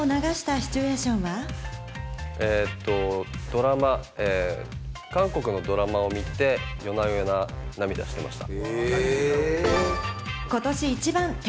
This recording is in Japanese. ドラマ、韓国のドラマを見て、夜な夜な涙してました。